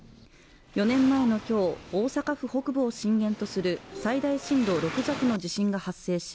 ４年前の今日大阪府北部を震源とする最大震度６弱の地震が発生し